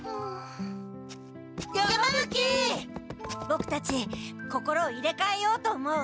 ボクたち心を入れかえようと思う。